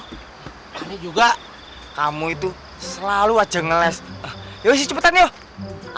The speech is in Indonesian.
kali juga kamu itu selalu aja ngeles yuk cepetan yuk